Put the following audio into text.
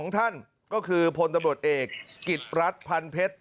๒ท่านก็คือพลตำรวจเอกกิจรัฐพันเพชร